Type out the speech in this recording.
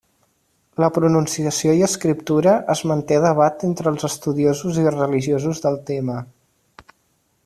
La pronunciació i escriptura es manté a debat entre els estudiosos i religiosos del tema.